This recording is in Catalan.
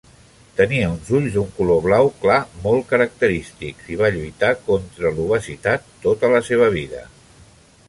Tenia uns ulls d'un color blau clar molt característics, i va lluitar contra l'obesitat tota la seva vida.